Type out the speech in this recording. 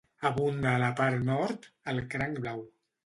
Abunda a la part nord el cranc blau.